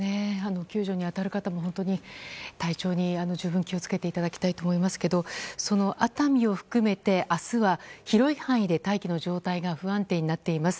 救助に当たる方も本当に体調に十分気を付けていただきたいと思いますけどその熱海を含めて明日は広い範囲で大気の状態が不安定になっています。